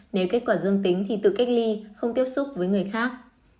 nếu kết quả dương tính thì tự cách ly không tiếp xúc với người khác